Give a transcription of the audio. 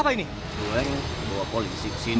jadi tolong anda jangan macem macem